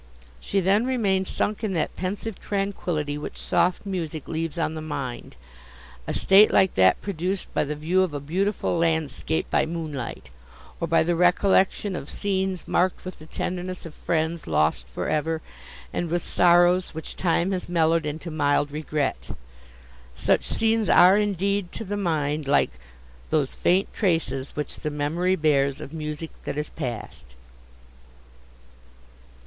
She then remained sunk in that pensive tranquillity which soft music leaves on the mind—a state like that produced by the view of a beautiful landscape by moonlight, or by the recollection of scenes marked with the tenderness of friends lost for ever, and with sorrows, which time has mellowed into mild regret. Such scenes are indeed, to the mind, like "those faint traces which the memory bears of music that is past."